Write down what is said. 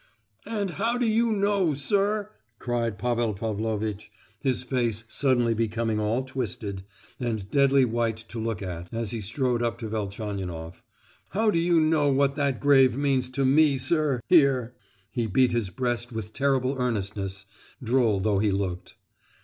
"And how do you know,—sir," cried Pavel Pavlovitch, his face suddenly becoming all twisted, and deadly white to look at, as he strode up to Velchaninoff, "how do you know what that grave means to me, sir, here!" (He beat his breast with terrible earnestness, droll though he looked.)